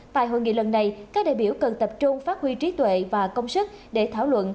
tại hội nghị lần này các đại biểu cần tập trung phát huy trí tuệ và công sức để thảo luận